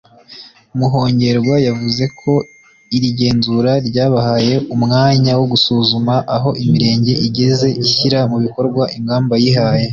Muhongerwa yavuze ko iri genzura ryabahaye umwanya wo gusuzuma aho Imirenge igeze ishyira mu bikorwa ingamba yihaye